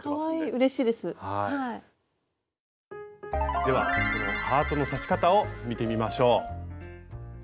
ではそのハートの刺し方を見てみましょう。